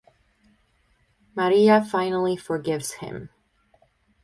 Maria finally forgives him.